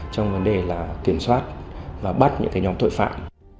trong vấn đề là kiểm soát và bắt những cái nhóm tội phạm